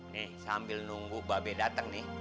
nih sambil nunggu mbak be dateng nih